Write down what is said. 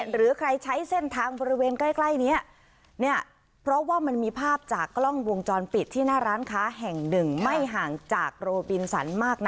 หรือใครใช้เส้นทางบริเวณใกล้นี้เนี่ยเพราะว่ามันมีภาพจากกล้องวงจรปิดที่หน้าร้านค้าแห่งหนึ่งไม่ห่างจากโรบินสันมากนะ